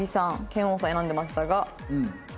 拳王さん選んでましたが。